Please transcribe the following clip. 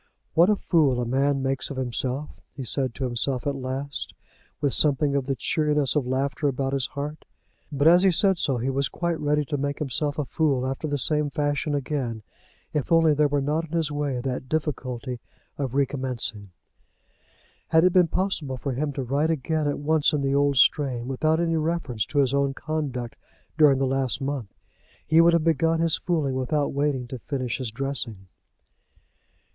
"What a fool a man makes of himself," he said to himself at last, with something of the cheeriness of laughter about his heart. But as he said so he was quite ready to make himself a fool after the same fashion again, if only there were not in his way that difficulty of recommencing. Had it been possible for him to write again at once in the old strain, without any reference to his own conduct during the last month, he would have begun his fooling without waiting to finish his dressing.